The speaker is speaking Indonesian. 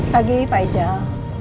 pagi pak ejal